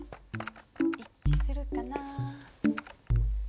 一致するかな？